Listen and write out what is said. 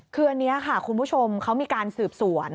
คืออันนี้ค่ะคุณผู้ชมเขามีการสืบสวน